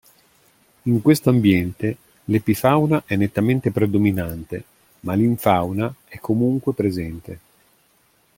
In questo ambiente l'epifauna è nettamente predominante ma l'infauna è comunque presente.